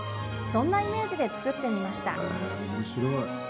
そんなイメージで作ってみました。